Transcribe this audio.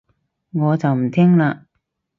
我就唔聽喇